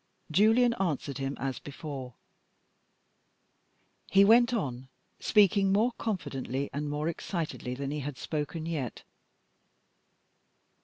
Julian answered him as before. He went on, speaking more confidently and more excitedly than he had spoken yet.